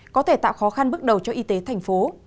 có thể tạo khó khăn bước đầu cho y tế thành phố